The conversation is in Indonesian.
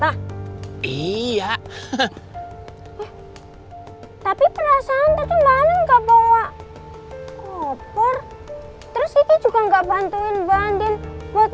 keluar kota iya tapi perasaan tadi malem gak bawa koper terus juga nggak bantuin banding buat